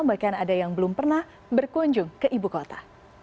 bahkan ada yang belum pernah berkunjung ke ibu kota